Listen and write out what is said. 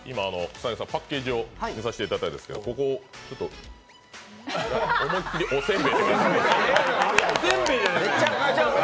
今、パッケージを見させていただいたんですけどここ、ちょっと、思いっきりおせんべいって。